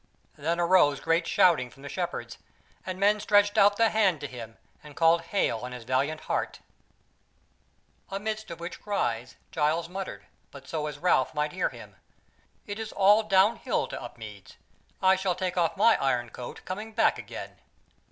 Then arose great shouting from the Shepherds, and men stretched out the hand to him and called hail on his valiant heart. Amidst of which cries Giles muttered, but so as Ralph might hear him: "It is all down hill to Upmeads; I shall take off my iron coat coming back again."